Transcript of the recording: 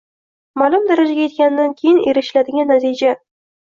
ma’lum darajaga yetgandan keyin erishiladigan natija.